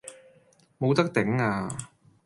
冇得頂呀!